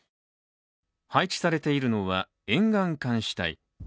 配置されているのは、沿岸監視隊。